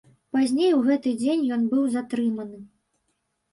Пазней у гэты дзень ён быў затрыманы.